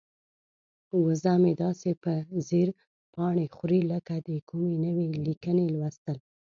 وزه مې داسې په ځیر پاڼې خوري لکه د کومې نوې لیکنې لوستل.